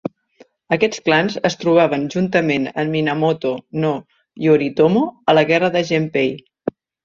Aquests clans es trobaven juntament amb Minamoto no Yoritomo a la guerra de Genpei.